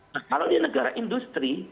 nah kalau di negara industri